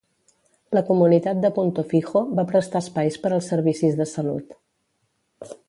La comunitat de Punto Fijo va prestar espais per als servicis de salut.